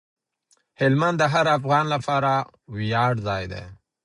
هلمند د هر افغان لپاره د ویاړ ځای دی.